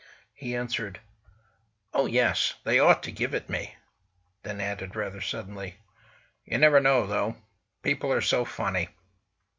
He answered: "Oh, yes! They ought to give it me," then added rather suddenly: "You never know, though. People are so funny!"